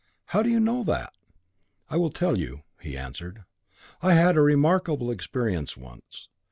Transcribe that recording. "How do you know that?" "I will tell you," he answered. "I had a remarkable experience once.